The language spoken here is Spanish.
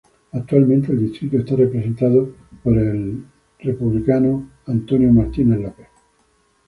Actualmente el distrito está representado por el Demócrata Gary Peters.